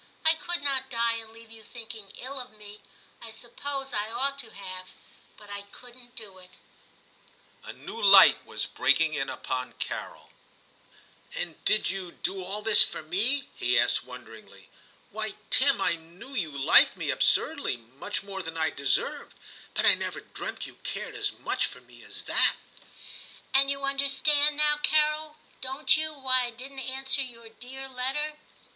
I could not die and leave you thinking ill of me. I suppose I ought to have, but I couldn't do it' A new light was breaking in upon Carol. 312 TIM CHAP. *And did you do all this for me?* he asked wonderingly. * Why, Tim, I knew you liked me absurdly, much more than I deserved, but I never dreamt you cared as much for me as that/ 'And you understand now, Carol, don't you, why I didn't answer your dear letter ?